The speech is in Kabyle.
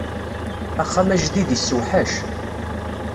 Axxam ajdid issewḥac.